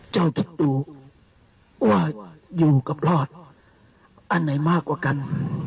เจ้าตักดูว่าอยู่กับรอดอันไหนมากกว่ากัน